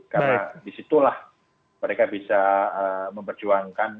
karena disitulah mereka bisa memperjuangkan